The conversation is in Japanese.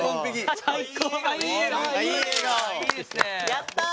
やった！